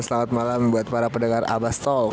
selamat malam buat para pendengar abastok